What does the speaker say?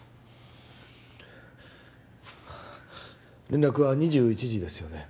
連絡は２１時ですよね